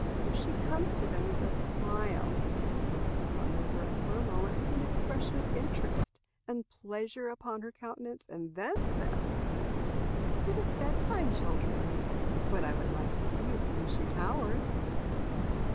If she comes to them with a smile, looks upon their work a moment with an expression of interest and pleasure upon her countenance, and then says, "It is bed time, children, but I would like to see you finish your tower."